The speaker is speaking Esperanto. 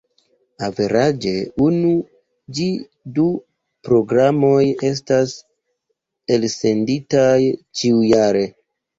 Averaĝe unu ĝis du programoj estas elsenditaj ĉiujare.